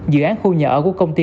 dự án khu nhà ở của công ty